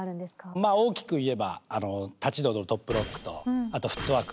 まあ大きく言えば立ちで踊るトップロックとあとフットワーク。